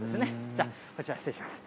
じゃあ、こちら、失礼します。